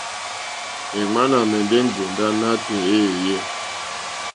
Èŋwánà àmɛ̀ndɛ́ ŋgòndá nátɛ̀ɛ̀ éèyé.